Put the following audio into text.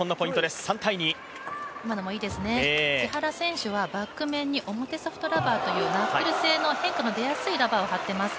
今のもいいですね、木原選手はバック面に表ソフトラバーというナックル性の変化の出やすいラバーを貼っています。